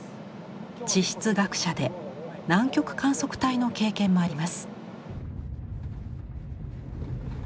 地質学者で南極観測隊の経験もあります。